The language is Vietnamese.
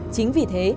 chính vì thế